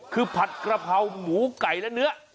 คือผัดกระเพราหมูไก่และเนื้อ